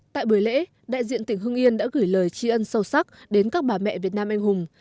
tại buổi lễ đại diện tỉnh hưng yên đã gửi lời chi ân sâu sắc đến các bà mẹ việt nam anh hùng